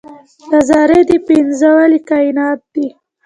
له ذرې دې پنځولي کاینات دي